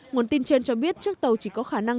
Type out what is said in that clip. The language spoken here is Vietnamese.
nguồn tin trên cho biết chiếc tàu chỉ có khả năng